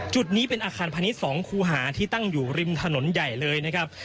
จุดนี้เป็นอาคารพาณิชย์๒คูหาที่ตั้งอยู่ริมถนนใหญ่เลยนะครับ